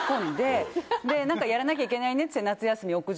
「何かやらなきゃいけないね」っつって。